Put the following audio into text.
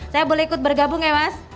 saya boleh ikut bergabung ya mas